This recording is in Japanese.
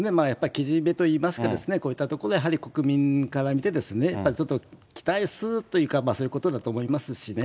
けじめといいますかね、こういったところでやはり国民から見て、やっぱりちょっと期待するというか、そういうことだと思いますしね。